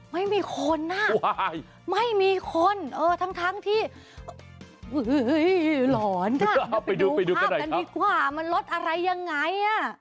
ไม่มีคนอ่ะไม่มีคนเออทั้งที่หลอนไปดูภาพกันดีกว่ามันลดอะไรยังไงอ่ะ